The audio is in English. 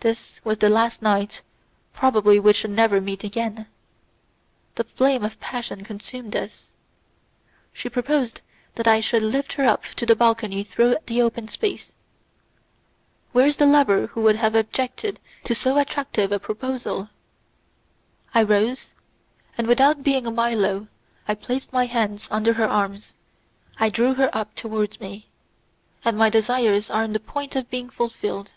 This was the last night; probably we should never meet again. The flame of passion consumed us. She proposed that I should lift her up to the balcony through the open space. Where is the lover who would have objected to so attractive a proposal? I rose, and without being a Milo, I placed my hands under her arms, I drew her up towards me, and my desires are on the point of being fulfilled.